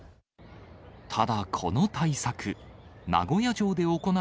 ただ、この対策。